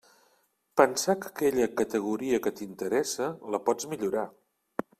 Pensar que aquella categoria que t'interessa la pots millorar.